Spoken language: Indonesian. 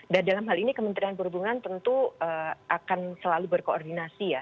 dan dalam hal ini kementerian perhubungan tentu akan selalu berkoordinasi ya